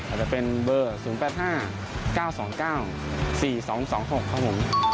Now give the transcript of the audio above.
อาจจะเป็นเบอร์๐๘๕๙๒๙๔๒๒๖ครับผม